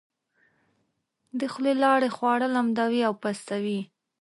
د خولې لاړې خواړه لمدوي او پستوي.